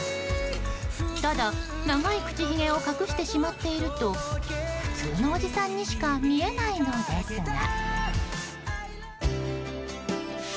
ただ、長い口ひげを隠してしまっていると普通のおじさんにしか見えないのですが。